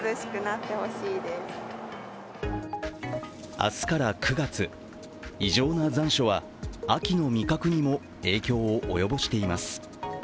明日から９月、異常な残暑は秋の味覚にも影響を及ぼしています。